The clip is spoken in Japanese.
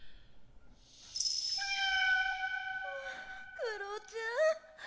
クロちゃん